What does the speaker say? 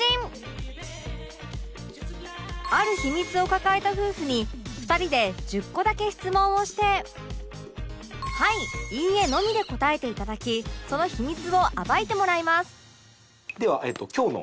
ある秘密を抱えた夫婦に２人で１０個だけ質問をして「はい」「いいえ」のみで答えて頂きその秘密を暴いてもらいます